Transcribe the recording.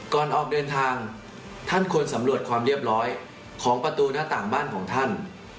ก่อนออกเดินทางท่านควรสำรวจความเรียบร้อยของประตูหน้าต่างบ้านของท่าน